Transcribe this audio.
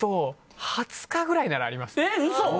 ２０日くらいならあります。